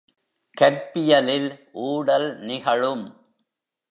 கற்பியலில் ஊடல் நிகழும்.